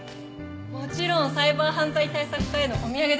もちろんサイバー犯罪対策課へのお土産ですよね？